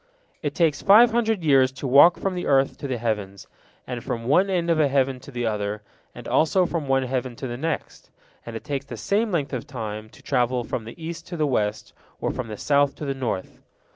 It takes five hundred years to walk from the earth to the heavens, and from one end of a heaven to the other, and also from one heaven to the next, and it takes the same length of time to travel from the east to the west, or from the south to the north.